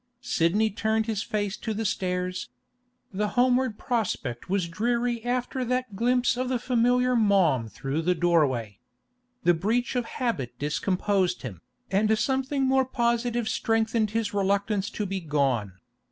Sidney turned his face to the stairs. The homeward prospect was dreary after that glimpse of the familiar room through the doorway. The breach of habit discomposed him, and something more positive strengthened his reluctance to be gone.